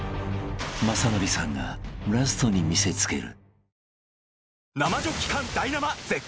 ［雅紀さんがラストに見せつける］